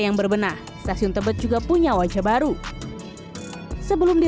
yang berbenah stasiun tempat juga punya wajah baru sebelum direvitalisasi perumunan penumpang